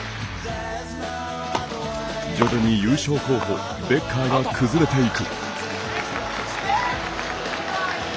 徐々に、優勝候補ベッカーが崩れていく。